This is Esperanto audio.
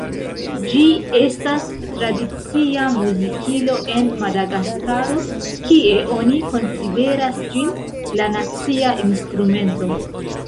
Ĝi estas tradicia muzikilo en Madagaskaro, kie oni konsideras ĝin "la nacia instrumento".